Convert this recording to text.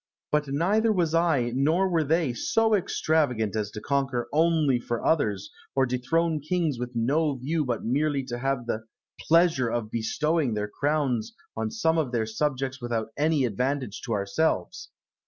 But neither was I nor were they so extravagant as to conquer only for others, or dethrone kings with no view but merely to have the pleasure of bestowing their crowns on some of their subjects without any advantage to ourselves.